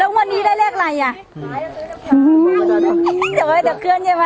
แล้ววันนี้ได้เรียกอะไรอ่ะ